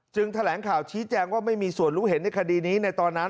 แถลงข่าวชี้แจงว่าไม่มีส่วนรู้เห็นในคดีนี้ในตอนนั้น